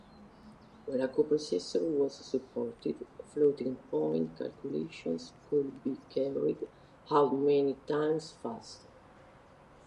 Where a co-processor was supported, floating-point calculations could be carried out many times faster.